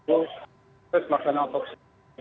proses makanan otopsi